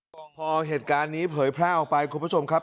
พอเหตุการณ์นี้เผยแพร่ออกไปคุณผู้ชมครับ